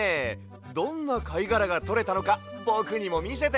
どんなかいがらがとれたのかぼくにもみせて！